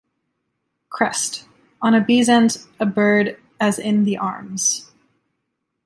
Crest: On a bezant a bird as in the arms.